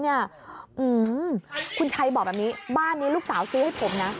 อืมคุณชัยบอกแบบนี้บ้านนี้ลูกสาวซื้อให้ผมนะ